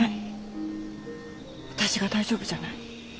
私が大丈夫じゃない。